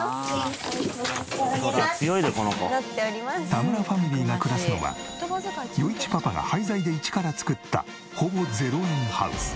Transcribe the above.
田村ファミリーが暮らすのは余一パパが廃材で一から造ったほぼ０円ハウス。